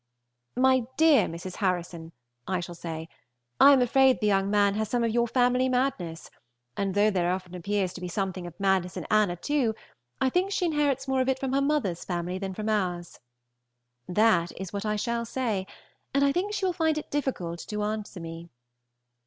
"My dear Mrs. Harrison," I shall say, "I am afraid the young man has some of your family madness; and though there often appears to be something of madness in Anna too, I think she inherits more of it from her mother's family than from ours." That is what I shall say, and I think she will find it difficult to answer me.